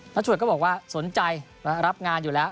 ถ้าช่วยก็บอกว่าสนใจรับงานอยู่แล้ว